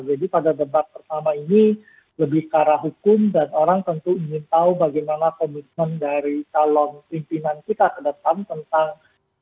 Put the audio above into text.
jadi pada debat pertama ini lebih ke arah hukum dan orang tentu ingin tahu bagaimana komitmen dari calon pimpinan kita kedatang tentang